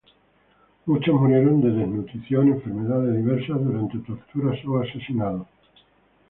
Muchos murieron de desnutrición, enfermedades diversas, durante torturas o asesinados.